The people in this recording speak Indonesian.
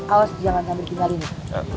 awas jangan sampai kitarin lo